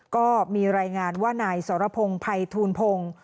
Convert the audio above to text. ก็มีรายงานว่านายสรพงศ์ภัยทูลพงศ์